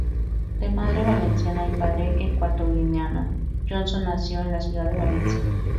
De madre valenciana y padre ecuatoguineano, Johnson nació en la ciudad de Valencia.